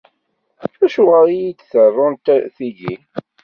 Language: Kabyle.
Acuɣer i yi-d-ḍerrunt tigi?